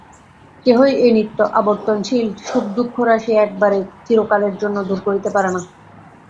কেহই এই নিত্য-আবর্তনশীল সুখ-দুঃখরাশি একেবারে চিরকালের জন্য দূর করিতে পারে না।